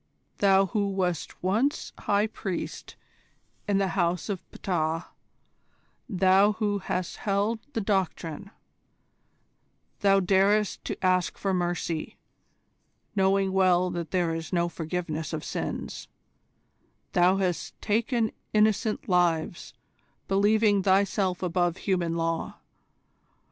"Thou who wast once High Priest in the House of Ptah: thou who hast held the Doctrine: thou darest to ask for mercy, knowing well that there is no forgiveness of sins: thou hast taken innocent lives, believing thyself above human law.